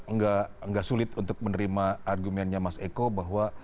saya kira juga nggak sulit untuk menerima argumennya mas eko bahwa